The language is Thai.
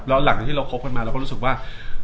แล้วหลังจากที่เราคบกันมาเราก็รู้สึกว่า